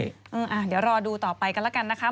เดี๋ยวรอดูต่อไปกันแล้วกันนะคะ